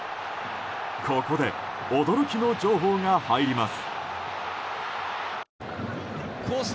ここで驚きの情報が入ります。